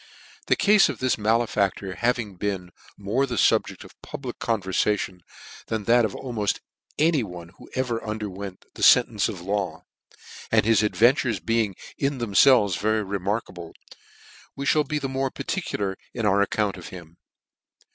TH E cafe of this malefaflor having been more the fubject of public converfation than that of aimed any one who ever underwent the fentence of ths law, and his adventures being in themfelves very remarkable, we mail be the more particular in our account of him.